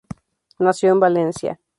Nació en Valencia.